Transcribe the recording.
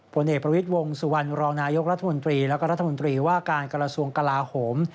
ผลเอกประวิทย์วงสุวรรณรองนายกรัฐมนตรีแล้วก็รัฐมนตรีว่าการกระทรวงกลาโหม